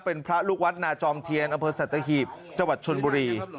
เป็นพระลูกวัดนาจอมเทียนอำเภอสัตหีบจังหวัดชนบุรี